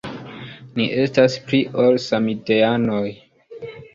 Ni estas pli ol samideanoj.